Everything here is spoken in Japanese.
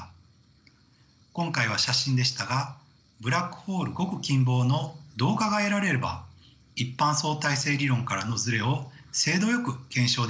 今回は写真でしたがブラックホールごく近傍の動画が得られれば一般相対性理論からのズレを精度よく検証できるでしょう。